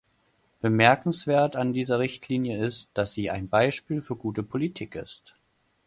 Bemerkenswert an dieser Richtlinie ist, dass sie ein Beispiel für gute Politik ist.